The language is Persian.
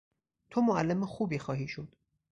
تو معلم خوبی خواهی شد.